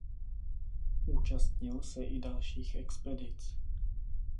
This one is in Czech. Účastnil se i dalších expedic.